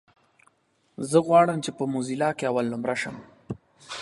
زه غواړم چې په موزيلا کې اولنومره شم.